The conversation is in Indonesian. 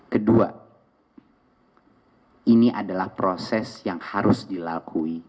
kedua ini adalah proses yang harus dilakui